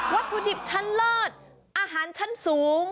ถุดิบชั้นเลิศอาหารชั้นสูง